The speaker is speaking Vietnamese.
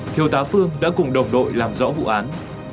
thiêu tá phương đã cùng đồng đội làm rõ vụ án